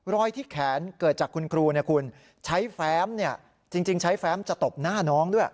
ที่แขนเกิดจากคุณครูคุณใช้แฟ้มจริงใช้แฟ้มจะตบหน้าน้องด้วย